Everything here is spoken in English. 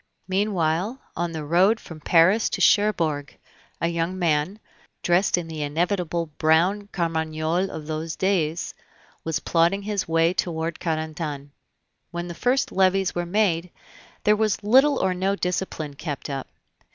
Meanwhile, on the road from Paris to Cherbourg, a young man, dressed in the inevitable brown carmagnole of those days, was plodding his way toward Carentan. When the first levies were made, there was little or no discipline kept up.